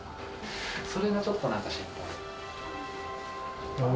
それがちょっとなんか心配。